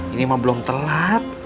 ini mah belum telat